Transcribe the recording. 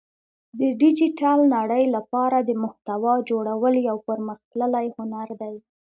د ډیجیټل نړۍ لپاره د محتوا جوړول یو پرمختللی هنر دی